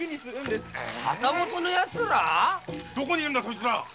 どこにいるんだそいつら？